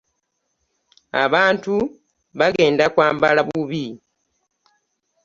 Abantu bagenda kwambala bubi.